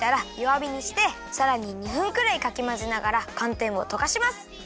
わびにしてさらに２分くらいかきまぜながらかんてんをとかします。